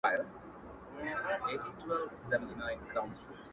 و تاته د جنت حوري غلمان مبارک ـ